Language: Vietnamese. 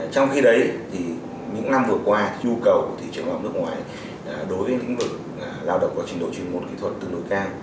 trong khi đấy thì những năm vừa qua nhu cầu của thị trường lao động nước ngoài đối với lĩnh vực lao động có trình độ chuyên môn kỹ thuật tương đối cao